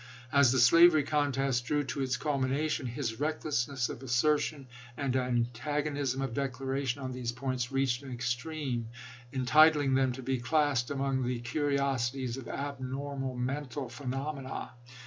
As the slavery contest drew to its culmination, his recklessness of assertion and an tagonism of declaration on these points reached an extreme entitling them to be classed among the curiosities of abnormal mental phenomena.